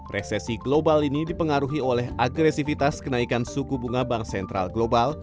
resesi global ini dipengaruhi oleh agresivitas kenaikan suku bunga bank sentral global